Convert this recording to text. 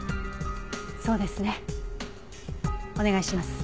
そうですねお願いします。